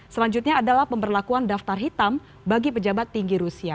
selanjutnya adalah pemberlakuan daftar hitam bagi pejabat tinggi rusia